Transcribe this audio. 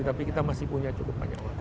tapi kita masih punya cukup banyak orang